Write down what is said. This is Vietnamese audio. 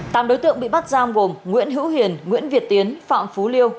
tám đối tượng bị bắt giam gồm nguyễn hữu hiền nguyễn việt tiến phạm phú liêu